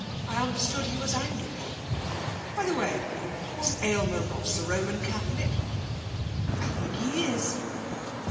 'I understood he was Anglican. By the way, was Aylmer Ross a Roman Catholic?' 'I think he is.'